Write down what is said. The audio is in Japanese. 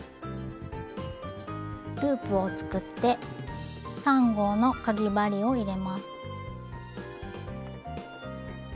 ループを作って３号のかぎ針を入れます。